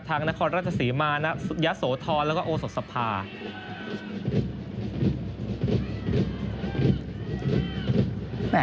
ทั้งนครรัฐศรีมายะโสธรแล้วก็โอสสภา